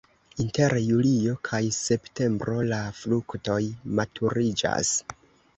Inter julio kaj septembro la fruktoj maturiĝas.